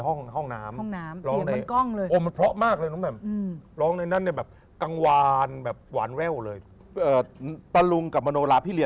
ห้องน้ำห้องน้ำเสียงมันก้องเลย